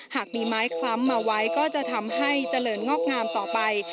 หากมีไม้คล้ำมาไว้ก็จะทำให้เจริญงอกงามต่อไป